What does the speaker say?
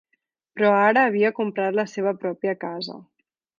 Però ara havia comprat la seva pròpia casa.